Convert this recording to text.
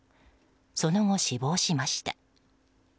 その後、死亡しました。